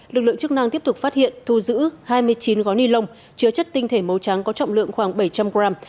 lực lượng chức năng tiếp tục phát hiện thu giữ hai mươi chín gói ni lông chứa chất tinh thể màu trắng có trọng lượng khoảng bảy trăm linh gram